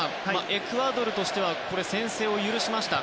エクアドルとしては先制を許しました